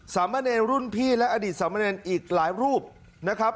สามเณรรุ่นพี่และอดีตสามเณรอีกหลายรูปนะครับ